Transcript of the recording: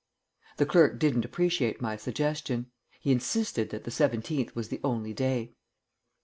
The clerk didn't appreciate my suggestion. He insisted that the seventeenth was the only day.